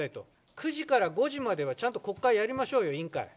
９時から５時まではちゃんと国会やりましょうよ、委員会。